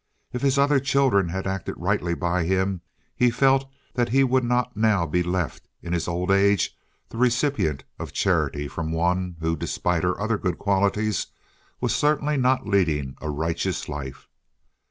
If his other children had acted rightly by him he felt that he would not now be left in his old age the recipient of charity from one, who, despite her other good qualities, was certainly not leading a righteous life.